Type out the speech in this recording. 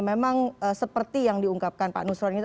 memang seperti yang diungkapkan pak nusrohan itu